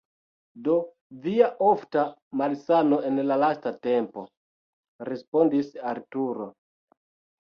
"Do Via ofta malsano en la lasta tempo!" Respondis Arturo.